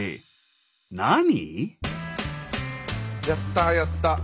やったやった。